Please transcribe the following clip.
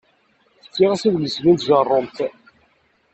Fkiɣ-as adlis-nni n tjeṛṛumt.